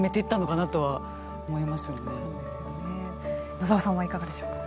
野澤さんはいかがでしょうか。